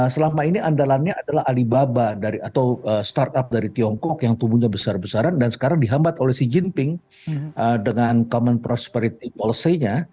selama ini andalannya adalah alibaba atau startup dari tiongkok yang tumbuhnya besar besaran dan sekarang dihambat oleh xi jinping dengan common prosperity policy nya